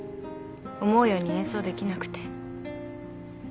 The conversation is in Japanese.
思うように演奏できなくて。